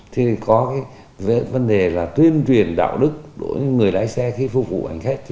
thì có cái vấn đề là tuyên truyền đạo đức đối với người lái xe khi phục vụ hành khách